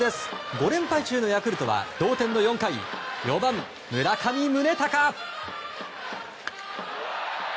５連敗中のヤクルトは同点の４回４番、村上宗隆。